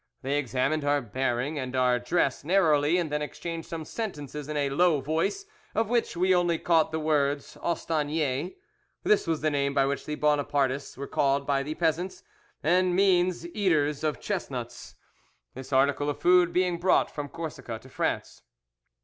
They examined our bearing and our dress narrowly, and then exchanged some sentences in a low, voice, of which we only caught the word austaniers. This was the name by which the Bonapartists were called by the peasants, and means 'eaters of chestnuts,' this article of food being brought from Corsica to France.